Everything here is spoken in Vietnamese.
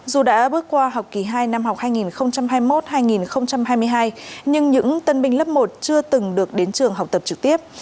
dù đã bước qua học kỳ hai năm học hai nghìn hai mươi một hai nghìn hai mươi hai nhưng những tân binh lớp một chưa từng được đến trường học tập trực tiếp